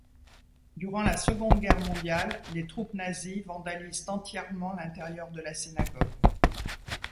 Durant la Seconde Guerre mondiale, les troupes nazies vandalisent entièrement l'intérieur de la synagogue.